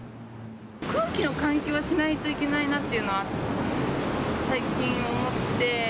空気の換気はしないといけないなっていうのは、最近思って。